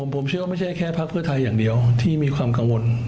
ผมเชื่อว่าไม่ใช่แค่พักเพื่อไทยอย่างเดียวที่มีความกังวล